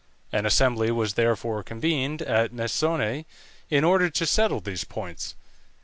An assembly was therefore convened at Mecone in order to settle these points.